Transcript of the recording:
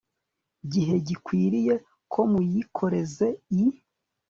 gihe gikwiriye ko muyikoreze i